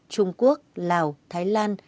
trung quốc lào thái lan